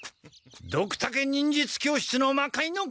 ドクタケ忍術教室の魔界之